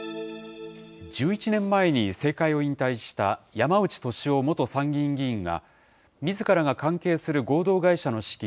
１１年前に政界を引退した山内俊夫元参議院議員が、みずからが関係する合同会社の資金